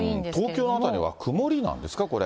東京の辺りは曇りなんですか、これ。